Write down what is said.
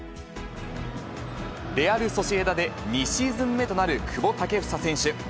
レアル・ソシエダで２シーズン目となる久保建英選手。